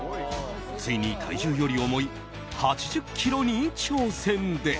ついに体重より重い８０ｋｇに挑戦です。